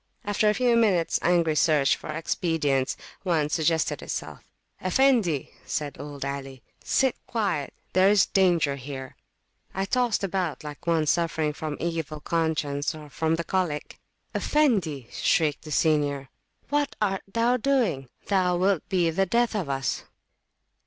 After a few minutes angry search for expedients, one suggested itself. Effendi! said old Ali, sit quiet; there is danger here. I tossed about like one suffering from evil conscience or from the [p.200] colic. Effendi! shrieked the senior, what art thou doing? Thou wilt be the death of us.